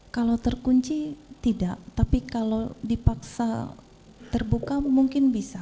kalau terkunci tidak tapi kalau dipaksa terbuka mungkin bisa